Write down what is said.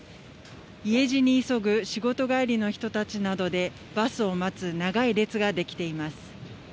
家路に急ぐ仕事帰りの人たちなどで、バスを待つ長い列が出来ています。